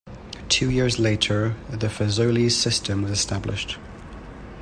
Two years later, the Fazoli's system was established.